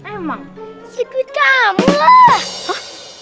emang duit kamu lah